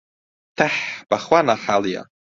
تەح، بەخوا ناحاڵییە